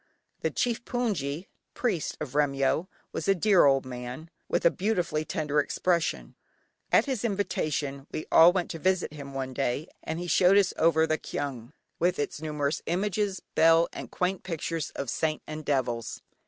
The chief hpoongyi (priest) of Remyo was a dear old man, with a beautifully tender expression. At his invitation we all went to visit him one day, and he showed us over the kyaung, with its numerous images, bell, and quaint pictures of saints and devils.